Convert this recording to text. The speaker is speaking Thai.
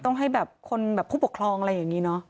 ต้องให้แบบพูดปกครองอะไรอย่างนี้ละ